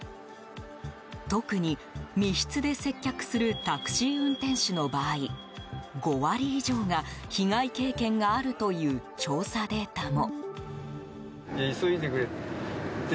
特に、密室で接客するタクシー運転手の場合５割以上が被害経験があるという調査データも。